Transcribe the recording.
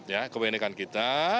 ya kebenekan kita